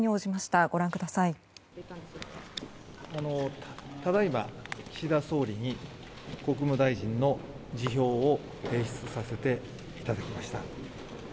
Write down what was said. ただ今、岸田総理に国務大臣の辞表を提出させていただきました。